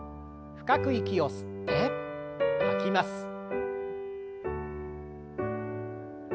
深く息を吸って吐きます。